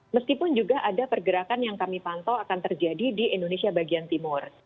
meskipun juga ada pergerakan yang kami pantau akan terjadi di indonesia bagian timur